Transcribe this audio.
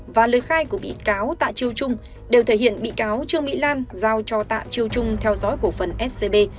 và lời khai của bị cáo tạ chiêu trung đều thể hiện bị cáo trương mỹ lan giao cho tạ chiêu trung theo dõi cổ phần scb